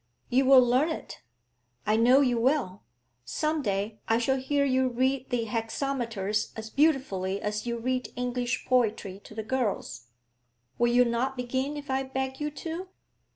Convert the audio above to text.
You will learn it, I know you will; some day I shall hear you read the hexameters as beautifully as you read English poetry to the girls. Will you not begin if I beg you to?'